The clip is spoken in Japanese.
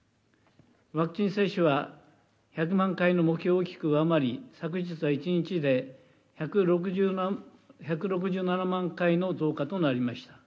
ワクチン接種は１００万回の目標を大きく上回り、昨日は１日で１６７万回の増加となりました。